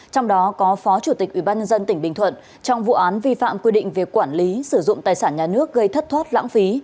trong đó có phó chủ tịch ubnd tỉnh bình thuận trong vụ án vi phạm quy định về quản lý sử dụng tài sản nhà nước gây thất thoát lãng phí